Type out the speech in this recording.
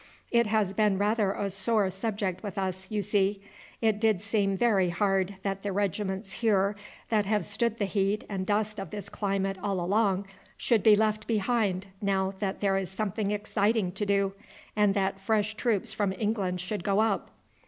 It has been rather a sore subject with us, you see. It did seem very hard that the regiments here that have stood the heat and dust of this climate all along should be left behind now that there is something exciting to do, and that fresh troops from England should go up."